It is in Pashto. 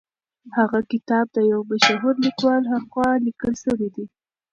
هغه کتاب د یو مشهور لیکوال لخوا لیکل سوی دی.